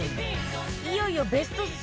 いよいよベスト３